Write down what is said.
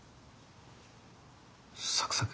サクサク？